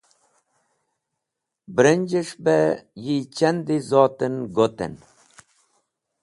Branj̃es̃h be yi chandi zot en goten.